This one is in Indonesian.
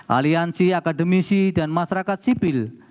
aliansi akademisi dan masyarakat sipil